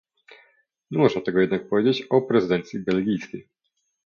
Nie można tego jednak powiedzieć o prezydencji belgijskiej